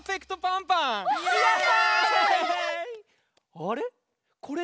あれ？